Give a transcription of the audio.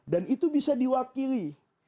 dan itu bisa diwakili